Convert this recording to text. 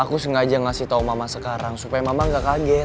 aku sengaja ngasih tau mama sekarang supaya mama gak kaget